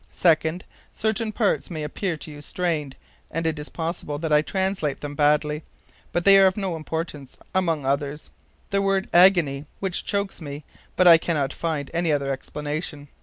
Second, certain parts may appear to you strained, and it is possible that I translate them badly; but they are of no importance; among others, the word AGONIE, which chokes me; but I cannot find any other explanation.